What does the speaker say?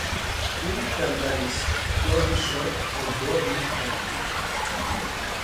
او دمدمی است: گاهی شاد و گاهی غمگین